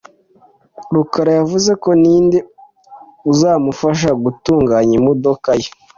rukara yavuze ko ninde uzamufasha gutunganya imodoka ye?